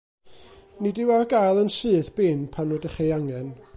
Nid yw ar gael yn syth bin pan rydych ei angen.